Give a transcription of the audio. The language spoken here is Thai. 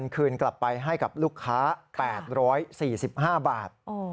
คืนกลับไปให้กับลูกค้า๘๔๕บาท